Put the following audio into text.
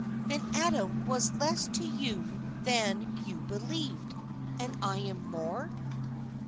"Then Adam was less to you than you believed, and I am more?"